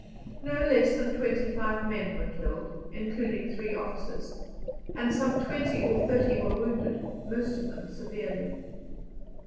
No less than twenty five men were killed, including three officers; and some twenty or thirty were wounded, most of them severely.